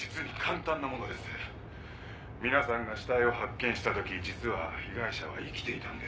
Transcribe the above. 皆さんが死体を発見したとき実は被害者は生きていたんです。